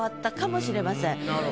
なるほど。